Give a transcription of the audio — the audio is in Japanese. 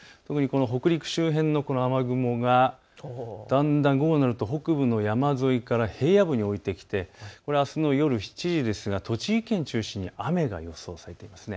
北陸周辺のこの雨雲がだんだん午後になると北部の山沿いから平野部に下りてきてあすの夜７時ですが栃木県を中心に雨が予想されています。